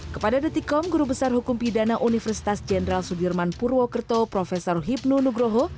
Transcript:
kepada detikom guru besar hukum pidana universitas jenderal sudirman purwokerto prof hipnu nugroho